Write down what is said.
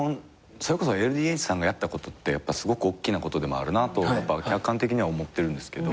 それこそＬＤＨさんがやったことってすごくおっきなことでもあるなと客観的には思ってるんですけど。